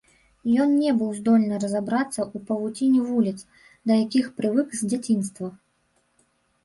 Ён не быў здольны разабрацца ў павуціне вуліц, да якіх прывык з дзяцінства.